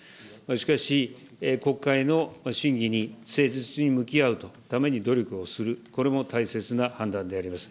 しかし、国会の審議に誠実に向き合うために努力をする、これも大切な判断であります。